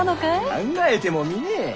考えてもみねえ。